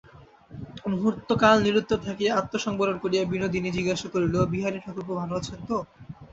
মুহূর্তকাল নিরুত্তর থাকিয়া আত্মসংবরণ করিয়া বিনোদিনী জিজ্ঞাসা করিল, বিহারী-ঠাকুরপো ভালো আছেন তো?